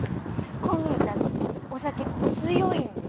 こう見えて私お酒強いんで。